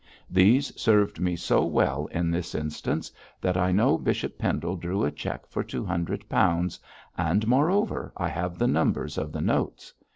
These served me so well in this instance that I know Bishop Pendle drew a cheque for two hundred pounds, and moreover, I have the numbers of the notes.